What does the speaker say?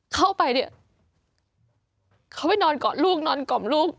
เข้าไปเนี่ยเขาไปนอนกอดลูกนอนกล่อมลูก